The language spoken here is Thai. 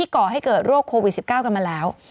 กันมาแล้ว